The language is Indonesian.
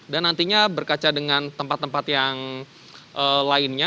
dan nantinya berkaca dengan tempat tempat yang lainnya